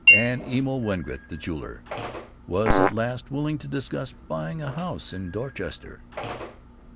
And Emil Wengert, the jeweler, was at last willing to discuss buying a house in Dorchester.